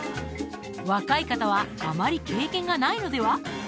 若い方はあまり経験がないでは？